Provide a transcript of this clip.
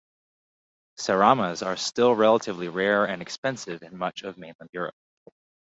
Seramas are still relatively rare and expensive in much of mainland Europe.